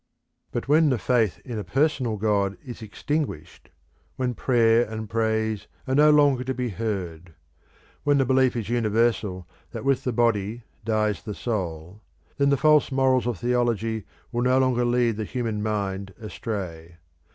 But when the faith in a personal god is extinguished; when prayer and praise are no longer to be heard; when the belief is universal that with the body dies the soul, then the false morals of theology will no longer lead the human mind astray.